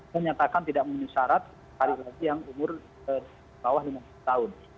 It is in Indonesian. menyatakan tidak memenuhi syarat hari lagi yang umur bawah lima puluh tahun